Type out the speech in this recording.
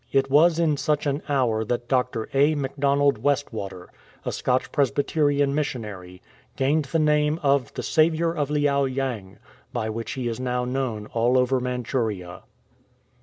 It was in such an hour that Dr. A. Macdonald Westwater, a Scotch Presbyterian missionary, gained the name of " The Saviour of Liao yang,' by which he is now known all over Manchuria.